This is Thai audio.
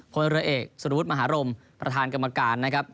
พลเรือเอกสุรวุฒิมหารมประธานกรรมการนะครับ